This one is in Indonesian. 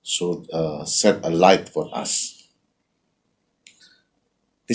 jadi ini akan menjadi peta untuk kami